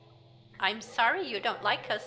" I'm sorry yon don't like us, 3Ir.